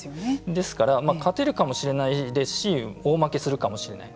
ですから勝てるかもしれないですし大負けするかもしれない。